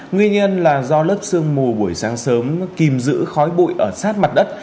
nguyên nhân là do lớp sương mù buổi sáng sớm kìm giữ khói bụi ở sát mặt đất